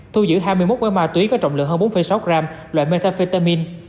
thu giữ hai mươi một gói ma túy có trọng lượng hơn bốn sáu gram loại metafetamin